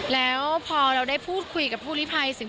แล้วพอเราได้พูดคุยกับผู้ลิภัยสิ่ง